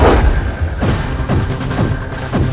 aku akan menang